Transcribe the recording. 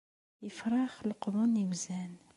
Ifrax leqqḍen iwzan.